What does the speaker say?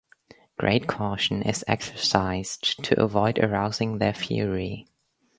Great caution is exercised to avoid arousing their fury.